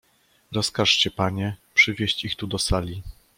"Rozkażcie, panie, przywieść ich tu do sali."